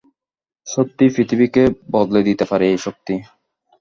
সত্যিই পৃথিবীকে বদলে দিতে পারে এই শক্তি!